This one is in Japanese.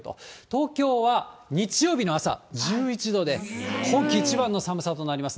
東京は日曜日の朝１１度で、今季一番の寒さとなります。